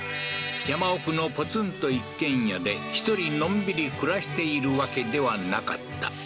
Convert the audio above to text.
山奥のポツンと一軒家で１人のんびり暮らしているわけではなかった